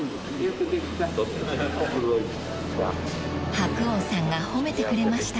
［白鸚さんが褒めてくれました］